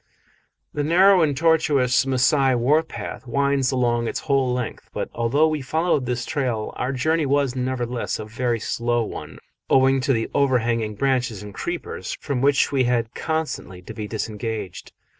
A narrow and tortuous Masai warpath winds along its whole length, but although we followed this trail our journey was nevertheless a very slow one, owing to the overhanging branches and creepers, from which we had constantly to be disengaged.